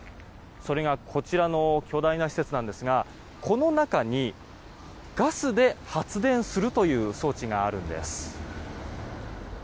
それが、こちらの巨大な施設なんですがこの中にガスで発電するという装置があるんです。